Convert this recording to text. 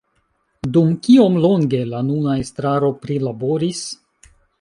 Dum kiom longe la nuna estraro prilaboris